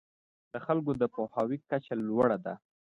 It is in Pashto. د خلکو د پوهاوي کچه لوړه شي.